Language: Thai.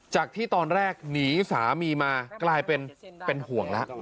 จากที่ตอนแรกหนีสามีมากลายเป็นห่วงแล้ว